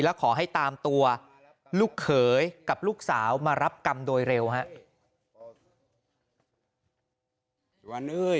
และขอให้ตามตัวลูกเขยกับลูกสาวมารับกรรมโดยเร็วครับ